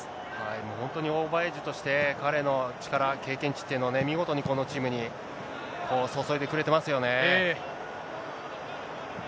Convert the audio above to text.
もう本当にオーバーエイジとして、彼の力、経験値っていうのをね、見事にこのチームに注いでくれてますよね。